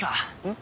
ん？